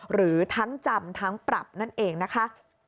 หรือทั้งจำทั้งปรับนั่นเองนะคะ